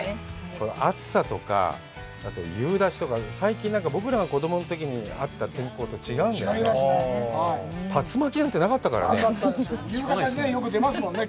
この暑さとかあと夕立とか最近僕らが子どもの時にあった天候と違うんだよな竜巻なんてなかったからね夕方によく出ますもんね